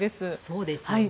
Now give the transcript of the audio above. そうですね。